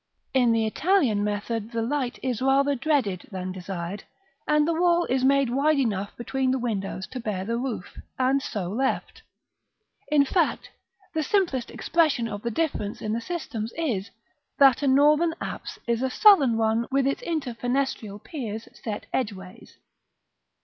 In the Italian method the light is rather dreaded than desired, and the wall is made wide enough between the windows to bear the roof, and so left. In fact, the simplest expression of the difference in the systems is, that a northern apse is a southern one with its inter fenestrial piers set edgeways.